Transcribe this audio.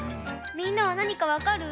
みんなはなにかわかる？